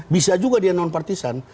bisa juga dia non partisan